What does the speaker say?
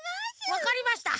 わかりました。